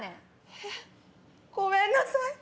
えっごめんなさい。